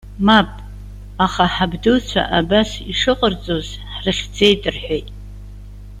Мап, аха ҳабдуцәа абас ишыҟарҵоз ҳрыхьӡеит,- рҳәеит.